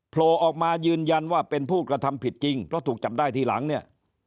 โผล่ออกมายืนยันว่าเป็นผู้กระทำผิดจริงเพราะถูกจับได้ทีหลังเนี่ย